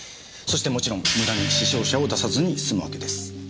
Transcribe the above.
そしてもちろん無駄に死傷者を出さずに済むわけです。